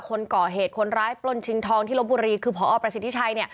คนก่อเหตุคนร้ายปล้นชิงทองที่ลบบุรีคือพอประสิทธิชัยเนี่ย